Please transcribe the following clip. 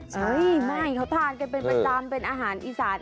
ใช่ไม่เขาทานกันเป็นประจำเป็นอาหารอีสาน